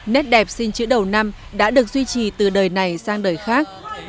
nét đẹp xin chữ đầu năm đã được duy trì từ đời này sang đời khác